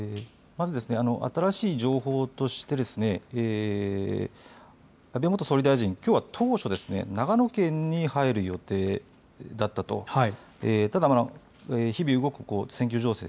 まず新しい情報としてですね安倍元総理大臣きょうは当初長野県に入る予定だったとただ日々動く選挙情勢